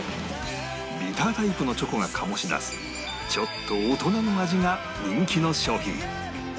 ビタータイプのチョコが醸し出すちょっと大人の味が人気の商品